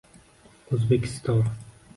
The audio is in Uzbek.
O‘zbekiston